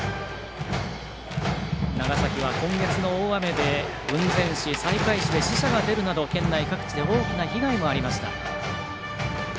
長崎は今月の大雨で雲仙市死者が出るなど県内各地で大きな被害もありました。